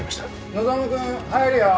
希君入るよ。